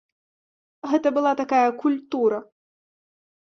Гэта была такая культура.